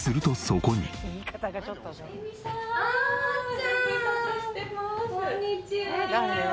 こんにちは。